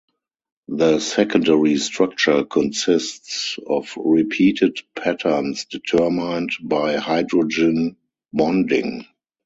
The "secondary structure" consists of repeated patterns determined by hydrogen bonding.